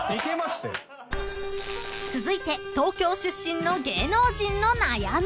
［続いて東京出身の芸能人の悩み］